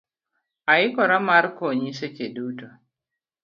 Aikora mar konyi seche duto.